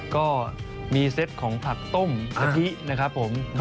ก็มีเซตของผักต้มกะทินะครับผม